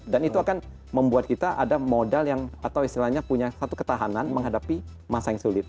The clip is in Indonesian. dan itu akan membuat kita ada modal yang atau istilahnya punya satu ketahanan menghadapi masa yang sulit